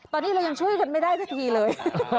ตอนนี้เรายังช่วยกันไม่ได้สักทีเลย